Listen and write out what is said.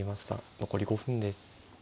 残り５分です。